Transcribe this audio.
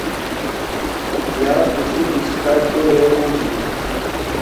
یا کُشُو نِ٘یسکا کھُورے اونگس جُو